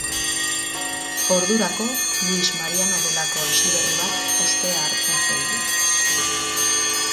Ordurako Luis Mariano delako hasiberri bat ospea hartzen zebilen.